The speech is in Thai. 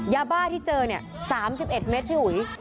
ยาบ้าที่เจอเนี่ย๓๑เมตรพี่อุ๋ย